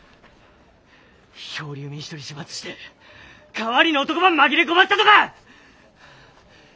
漂流民一人始末して代わりの男ば紛れ込ませたとか！